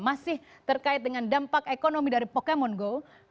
masih terkait dengan dampak ekonomi dari pokemon go